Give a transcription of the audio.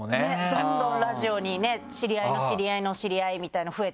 どんどんラジオにね知り合いの知り合いの知り合いみたいなの増えてって。